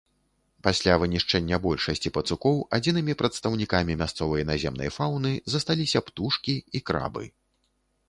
Пасля вынішчэння большасці пацукоў адзінымі прадстаўнікамі мясцовай наземнай фаўны засталіся птушкі і крабы.